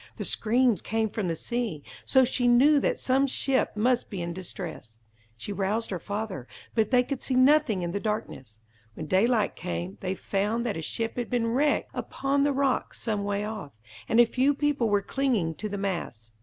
The screams came from the sea, so she knew that some ship must be in distress. She roused her father, but they could see nothing in the darkness. When daylight came, they found that a ship had been wrecked upon the rocks some way off, and a few people were clinging to the masts.